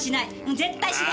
絶対しない！